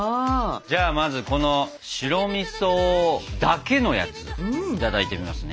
じゃあまずこの白みそだけのやついただいてみますね。